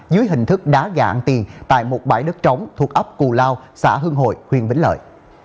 dưới hình thức đá gạng tiền tại một bãi đất trống thuộc ấp cù lao xã hương hồi huyện vĩnh lợi